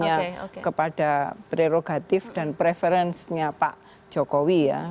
saya ingin mengatakan kepada prerogatif dan preferensinya pak jokowi ya